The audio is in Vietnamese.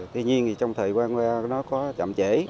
tuy nhiên trong thời qua nó có chậm trễ